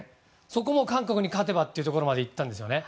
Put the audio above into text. そこも韓国に勝てばというところまでいったんですね。